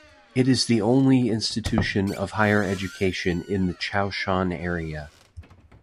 It is the only institution of higher education in the Chaoshan area.